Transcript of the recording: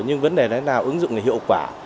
nhưng vấn đề là ứng dụng là hiệu quả